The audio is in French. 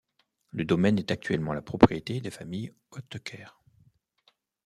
Le domaine est actuellement la propriété des familles Oetker.